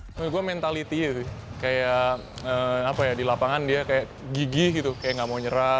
menurut gue mentality gitu kayak di lapangan dia kayak gigih gitu kayak gak mau nyerah